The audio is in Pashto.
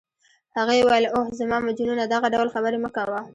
هغې وویل: اوه، زما مجنونه دغه ډول خبرې مه کوه.